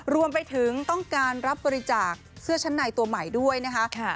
รวมไปถึงต้องการรับบริจาคเสื้อชั้นในตัวใหม่ด้วยนะคะ